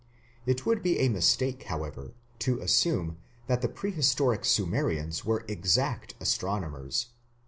It would be a mistake, however, to assume that the prehistoric Sumerians were exact astronomers.